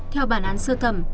theo bản án sơ thẩm